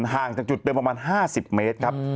ห่างจากจุดเดิมประมาณ๕๐เมตรครับ